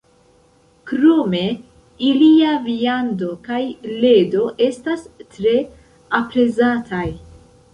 Krome, ilia viando kaj ledo estas tre aprezataj.